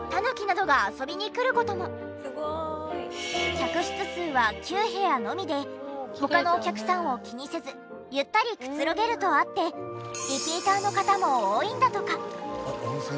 客室数は９部屋のみで他のお客さんを気にせずゆったりくつろげるとあってリピーターの方も多いんだとか。